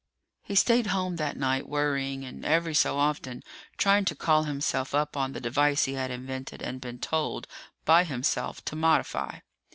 He stayed home that night, worrying, and every so often trying to call himself up on the device he had invented and been told by himself to modify.